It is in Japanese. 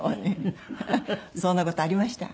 そんな事ありました。